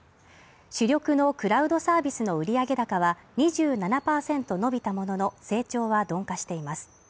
主力のクラウドサービスの売上高は２７％伸びたものの、成長は鈍化しています。